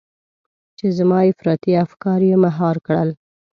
چې زما افراطي افکار يې مهار کړل.